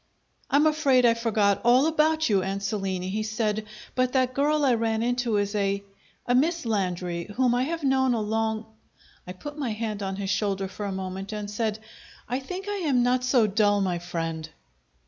"I'm afraid I forgot all about you, Ansolini," he said, "but that girl I ran into is a a Miss Landry, whom I have known a long " I put my hand on his shoulder for a moment and said: "I think I am not so dull, my friend!"